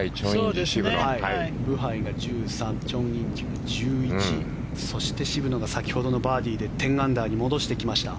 ブハイが１３チョン・インジが１１そして渋野が先ほどのバーディーで１０アンダーに戻してきました。